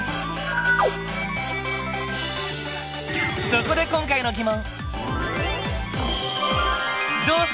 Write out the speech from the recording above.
そこで今回の疑問！